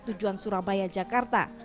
tujuan surabaya jakarta